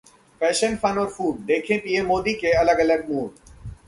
fashion, fun और food... देखें PM Modi के अलग-अलग मूड